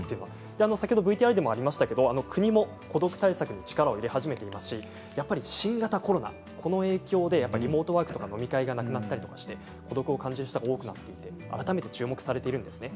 先ほどＶＴＲにもありましたが国も孤独対策に力を入れ始めていますしやはり新型コロナの影響でリモートワークとか飲み会がなくなったりして孤独を感じる人が多くなって改めて注目されているんです。